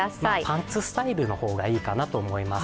パンツスタイルの方がいいと思います。